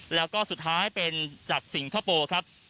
แล้วก็สุดท้ายเป็นจากสิงคโปร์ครับ